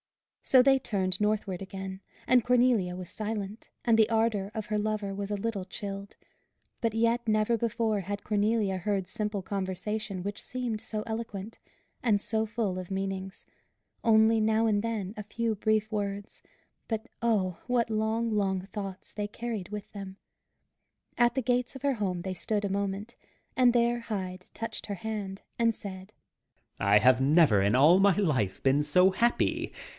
So they turned northward again, and Cornelia was silent, and the ardour of her lover was a little chilled; but yet never before had Cornelia heard simple conversation which seemed so eloquent, and so full of meanings only, now and then, a few brief words; but oh! what long, long thoughts, they carried with them! At the gates of her home they stood a moment, and there Hyde touched her hand, and said, "I have never, in all my life, been so happy.